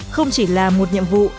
không chỉ là một nhiệm vụ